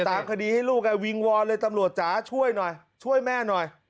ตามคดีให้ลูกวิงวอนเลยตำรวจจ๋าช่วยหน่อยช่วยแม่หน่อย